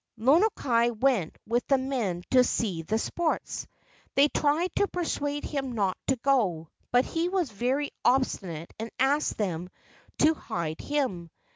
Lono kai went with the men to see the sports. They tried to persuade him not to go, but he was very obstinate and asked them to hide him.